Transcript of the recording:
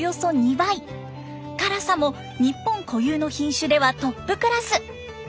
辛さも日本固有の品種ではトップクラス。